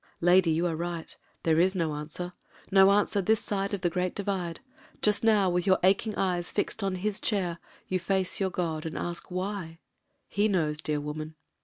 ... Lady, you are right. There is no answer, no answer this side of the Great Divide. Just now — with your a^ching eyes fixed on his chair you face your God, and ask Why? He knows, dear woman.